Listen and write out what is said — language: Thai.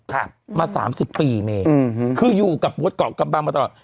ครับมาสามสิบปีเมย์อืมคืออยู่กับวัดเกาะกำบังมาตลอด